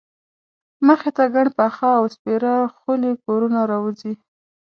مخې ته ګڼ پاخه او سپېره خولي کورونه راوځي.